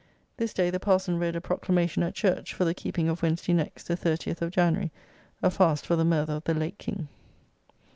This day the parson read a proclamation at church, for the keeping of Wednesday next, the 30th of January, a fast for the murther of the late King.